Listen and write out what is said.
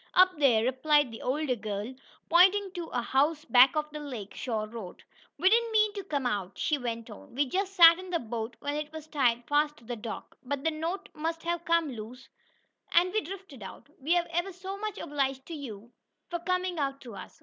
"Up there," replied the older girl, pointing to a house back of the lake shore road. "We didn't mean to come out," she went on. "We just sat in the boat when it was tied fast to the dock, but the knot must have come loose, and we drifted out. We're ever so much obliged to you for coming out to us."